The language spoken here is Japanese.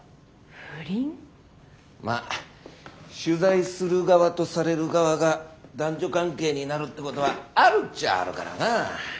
まあ取材する側とされる側が男女関係になるってことはあるっちゃあるからな。